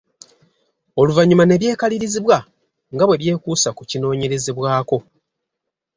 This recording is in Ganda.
Oluvanyuma ne byekalirizibwa nga bwe byekuusa ku kinoonyerezebwako.